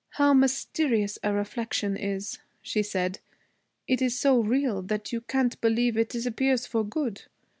'How mysterious a reflection is!' she said. 'It is so real that you can't believe it disappears for good.